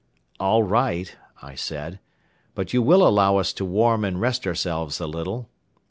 "All right," I said, "but you will allow us to warm and rest ourselves a little."